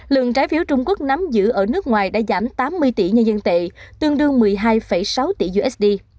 lượng trái phiếu trung quốc nắm giữ ở nước ngoài đã giảm tám mươi tỷ nhân dân tệ tương đương một mươi hai sáu tỷ usd